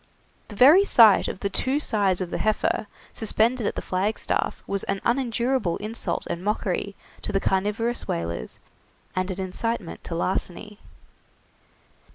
The very sight of the two sides of the heifer suspended at the flagstaff was an unendurable insult and mockery to the carnivorous whalers, and an incitement to larceny.